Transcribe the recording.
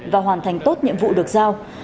và hoàn thành tốt nhiệm vụ được giao